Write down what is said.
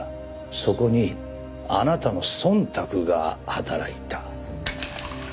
そこにあなたの忖度が働いた。